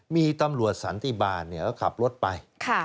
มีตำรวจสันติบาลก็ขับรถไป